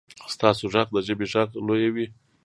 ستاسو غږ د ژبې غږ لویوي.